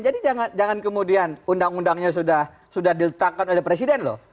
jadi jangan kemudian undang undangnya sudah diletakkan oleh presiden loh